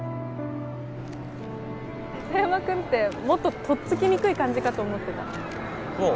瀬戸山君ってもっととっつきにくい感じかと思ってたそう？